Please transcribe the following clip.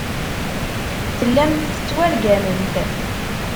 Tellamt tettwargamemt.